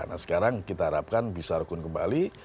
nah sekarang kita harapkan bisa rekun kembali